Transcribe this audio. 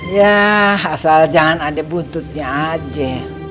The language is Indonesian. ya asal jangan ada buntutnya aja